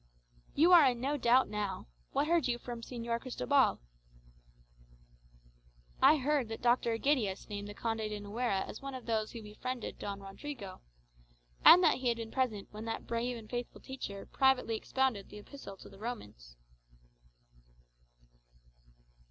"You are in no doubt now. What heard you from Señor Cristobal?" "I heard that Dr. Egidius named the Conde de Nuera as one of those who befriended Don Rodrigo. And that he had been present when that brave and faithful teacher privately expounded the Epistle to the Romans."